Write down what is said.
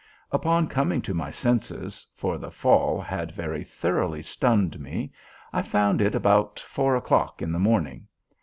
Upon coming to my senses (for the fall had very thoroughly stunned me) I found it about four o'clock in the morning.